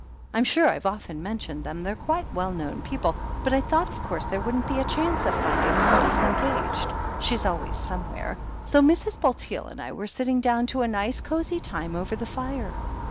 I'm sure I've often mentioned them ; they're quite well known people — but I thought, of course, there wouldn't be a chance of finding them disengaged — ^she's always somewhere — ^so Mrs. Bulteel and I were settling down to a nice, cosy time over the fire.